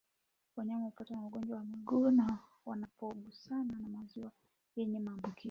Wanyama hupata ugonjwa wa miguu na midomo wanapogusana na maziwa yenye maambukizi